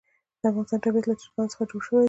د افغانستان طبیعت له چرګانو څخه جوړ شوی دی.